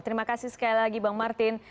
terima kasih sekali lagi bang martin